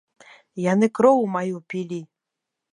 Яны кроў маю пілі!